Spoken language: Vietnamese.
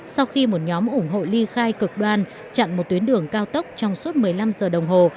và nhóm ủng hộ ly khai cực đoan chặn một tuyến đường cao tốc trong suốt một mươi năm giờ đồng hồ